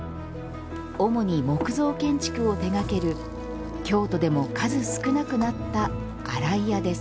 主に木造建築を手がける京都でも数少なくなった洗い屋です。